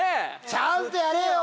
ちゃんとやれよ！